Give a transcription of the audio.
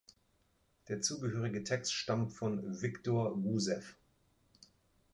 Der zugehörige Text stammt von Wiktor Gussew.